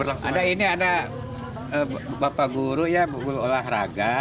ada ini ada bapak guru ya guru olahraga